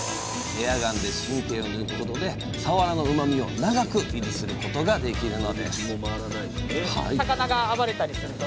エアガンで神経を抜くことでさわらのうまみを長く維持することができるのです残念ながら落選したさわらたち。